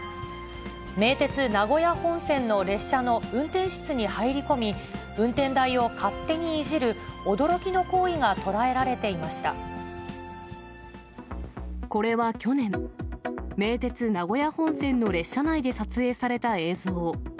名鉄名古屋本線の列車の運転室に入り込み、運転台を勝手にいじる、これは去年、名鉄名古屋本線の列車内で撮影された映像。